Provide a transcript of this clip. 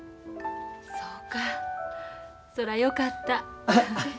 そうかそれはよかった。